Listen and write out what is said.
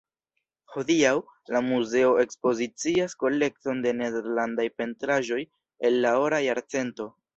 Hodiaŭ, la muzeo ekspozicias kolekton de nederlandaj pentraĵoj el la Ora Jarcento.